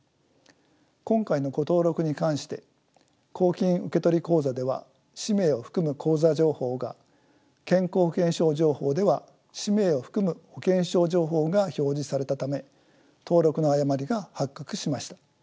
今回の誤登録に関して公金受取口座では氏名を含む口座情報が健康保険証情報では氏名を含む保険証情報が表示されたため登録の誤りが発覚しました。